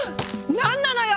何なのよ！